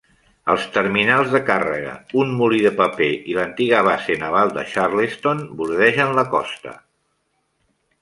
Els terminals de càrrega, un molí de paper i l"antiga Base naval de Charleston bordegen la costa.